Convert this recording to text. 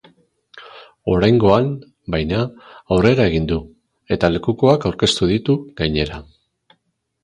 Oraingoan, baina, aurrera egin du, eta lekukoak aurkeztu ditu gainera.